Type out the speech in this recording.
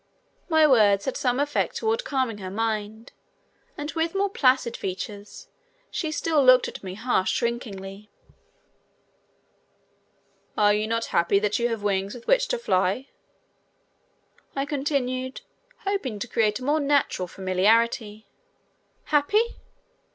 My words had some effect toward calming her mind and with more placid features she still looked at me half shrinkingly. "Are you not happy that you have wings with which fly?" I continued, hoping to create a more natural familiarity. "Happy?